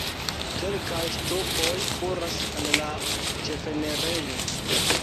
Kelkaj ŝtupoj kuras al la ĉefenirejo.